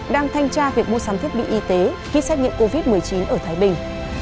đang thanh tra việc mua sắm thiết bị y tế khi xét nghiệm covid một mươi chín ở thái bình